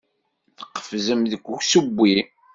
Tqefzem deg usewwi.